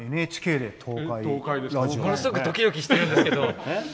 ものすごくドキドキしてるんですけど。